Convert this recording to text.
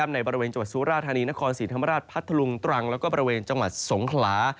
ในบริเวณจังหวัดสุราธานีนครศรีธรรมราชพัทธลุงตรังแล้วก็บริเวณจังหวัดสงขลา